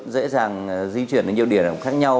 dễ dàng di chuyển đến nhiều điểm khác nhau